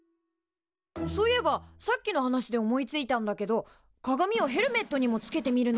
そういえばさっきの話で思いついたんだけど鏡をヘルメットにもつけてみるのはどうかな？